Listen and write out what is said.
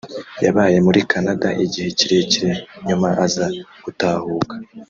yabaye muri Canada igihe kirekire nyuma aza gutahuka